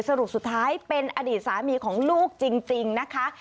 สรุปสุดท้ายเป็นอดีตสามีของลูกจริงนะคะ